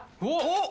おっ！